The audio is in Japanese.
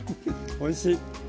おいしい。